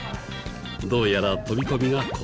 どうやら飛び込みが怖いようで。